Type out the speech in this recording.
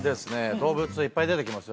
動物いっぱい出てきますよ